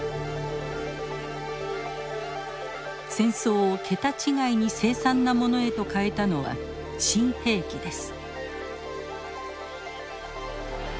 戦争を桁違いに凄惨なものへと変えたのは新兵器です。